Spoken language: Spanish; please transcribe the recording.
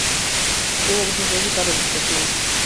Tiene luces led y faros de xenón.